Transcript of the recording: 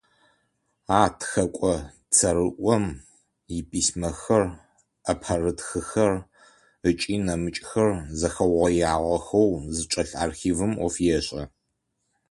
А тхэкӏо цӏэрыӏом иписьмэхэр, ӏэпэрытххэр ыкӏи нэмыкӏхэр зэхэугъоягъэхэу зычӏэлъ архивым ӏоф ешӏэ.